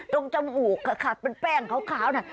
จมูกค่ะเป็นแป้งขาวน่ะ